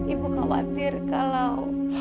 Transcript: ibu khawatir kalau